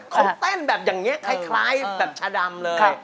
เขาเต้นแบบอย่างนี้คล้ายแบบชาดำเลย